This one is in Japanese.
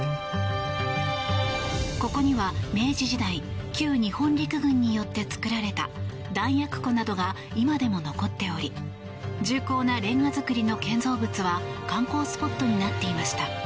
ここには、明治時代旧日本陸軍によって造られた弾薬庫などが今でも残っており重厚なレンガ造りの建造物は観光スポットになっていました。